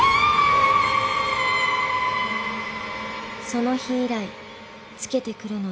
［その日以来つけてくるのです］